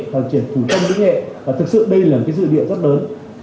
hoạt triển thủ công lĩnh hệ và thực sự đây là một dư điện rất lớn